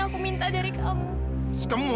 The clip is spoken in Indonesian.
aku minta dari kamu